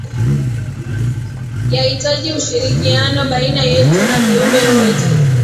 Yahitaji ushirikiano baina yetu na viumbe wote